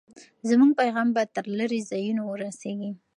زموږ پیغام به تر لرې ځایونو ورسېږي.